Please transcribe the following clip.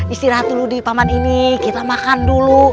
istirahat dulu di paman ini kita makan dulu